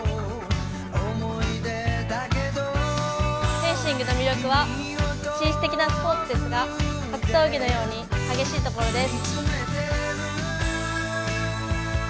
フェンシングの魅力は、紳士的なスポーツですが格闘技のように激しいところです。